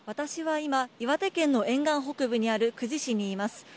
私は今、岩手県の沿岸北部にある久慈市にいます。